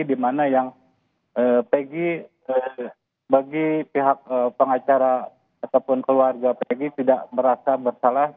di mana yang bagi pihak pengacara ataupun keluarga pegi tidak merasa bersalah